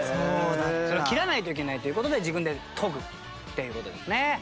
切らないといけないという事で自分で研ぐっていう事ですね。